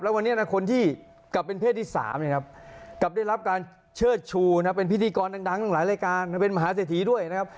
แล้ววันนี้นะคนที่กลับเป็นเพศที่๓คับได้รับการเชื้อชูนะเป็นพิธีกรดังตรงหลายรายการเป็นมหาเสถีย์ด้วยนะครับ